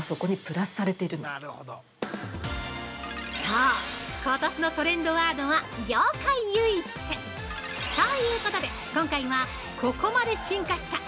そう、ことしのトレンドワードは「業界唯一！」ということで今回は、ここまで進化した！